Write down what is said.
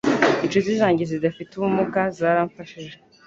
incuti zanjye zidafite ubumuga zaramfashije